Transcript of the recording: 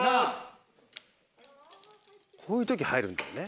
こういう時入るんだよね。